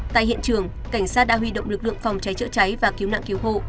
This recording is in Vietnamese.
tại hiện trường cảnh sát đã huy động lực lượng phòng cháy chữa cháy và cứu nạn cứu hộ